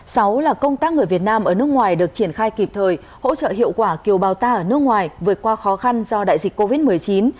sáu là công tác người việt nam ở nước ngoài được triển khai kịp thời hỗ trợ hiệu quả kiều bào ta ở nước ngoài vượt qua khó khăn do đại dịch covid một mươi chín